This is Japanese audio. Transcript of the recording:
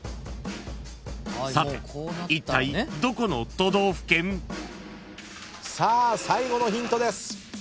［さていったいどこの都道府県？］さあ最後のヒントです。